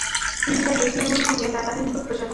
তুমি যা দেখলে এবং শুনলে তা তাদের নিকট প্রচার কর।